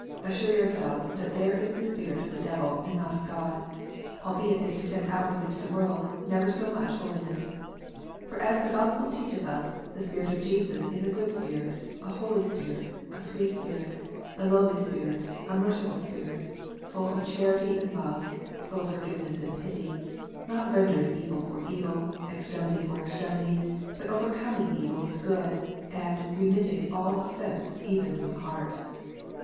assure yourselves that there is the spirit of the devil, and not of God, albeit they pretend outwardly to the world never so much holiness. For as the Gospel teacheth us, the Spirit of Jesus is a good spirit, an holy spirit, a sweet spirit, a lowly spirit, a merciful spirit, full of charity and love, full of forgiveness and pity, not rendering evil for evil, extremity for extremity, but overcoming evil with good, and remitting all offence even from the heart.